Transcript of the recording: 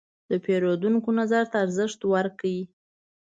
د پیرودونکو نظر ته ارزښت ورکړئ.